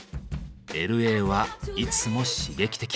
Ｌ．Ａ．はいつも刺激的。